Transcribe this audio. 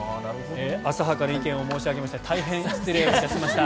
浅はかな意見を申し上げまして大変失礼いたしました。